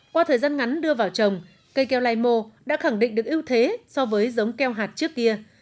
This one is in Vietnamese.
qua thời gian ngắn đưa vào trồng cây keo lai mô đã khẳng định được ưu thế so với giống keo hạt trước kia